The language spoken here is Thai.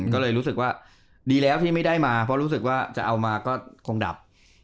ก็เลยรู้สึกว่าดีแล้วที่ไม่ได้มาเพราะรู้สึกว่าจะเอามาก็คงดับ